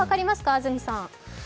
安住さん。